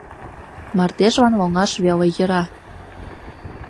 Мардежлан лоҥаш веле йӧра.